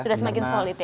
sudah semakin solid ya